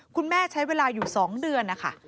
คุณแม่ใช้เวลาอยู่๒เดือนนะคะ